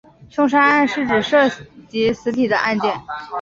凶杀案是指涉及死体的案件。